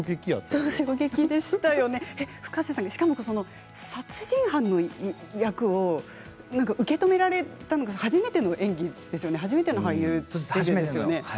Ｆｕｋａｓｅさんしかも殺人犯の役を受け止められたのが初めての演技、初めての俳優ですよね。